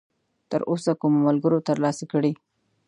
تراوسه کومو ملګرو ترلاسه کړی!؟